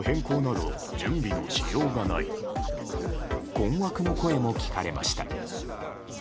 困惑の声も聞かれました。